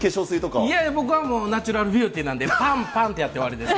いやいや僕はもうナチュラルビューティーなんで、ぱんぱんってやって終わりです。